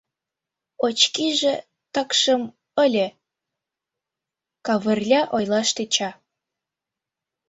— Очкиже такшым ыле, — Кавырля ойлаш тӧча.